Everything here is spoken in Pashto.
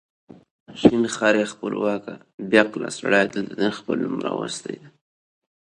خپلواک هم په موزیلا کامن وایس کې د پښتو لپاره غږونه ثبتوي